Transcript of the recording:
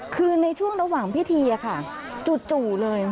คือในช่วงระหว่างพิธีค่ะจู่เลย